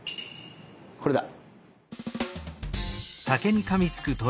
これだ！